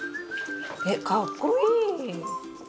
えかっこいい！